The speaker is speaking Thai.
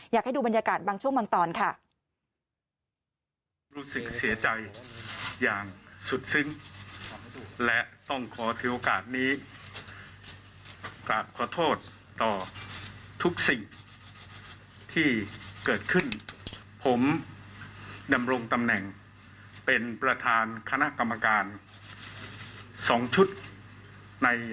อยากให้ดูบรรยากาศบางช่วงบางตอนค่ะ